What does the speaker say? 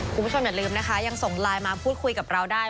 คุณผู้ชมอย่าลืมนะคะยังส่งไลน์มาพูดคุยกับเราได้